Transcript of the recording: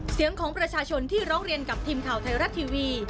เสียงของประชาชนที่ร้องเรียนกับทีมข่าวไทยรัฐทีวี